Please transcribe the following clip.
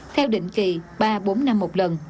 theo định kỳ ba bốn năm một lần